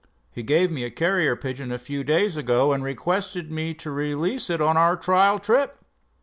He gave me a carrier pigeon a few days ago, and requested me to release it on our trial trip.